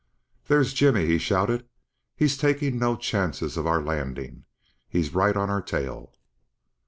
"There's Jimmy!" he shouted. "He's takin' no chances of our landing he's right on our tail!"